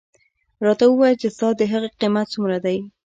راته ووایه چې ستا د هغې قیمت څومره دی.